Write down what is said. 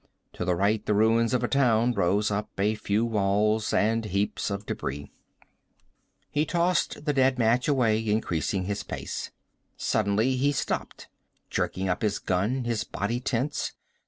To the right the ruins of a town rose up, a few walls and heaps of debris. He tossed the dead match away, increasing his pace. Suddenly he stopped, jerking up his gun, his body tense.